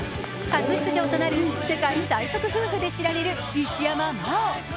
初出場となる世界最速夫婦で知られる一山麻緒。